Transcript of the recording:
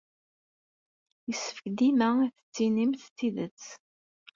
Yessefk dima ad d-tettinimt tidet.